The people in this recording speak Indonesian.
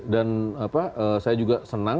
dan saya juga senang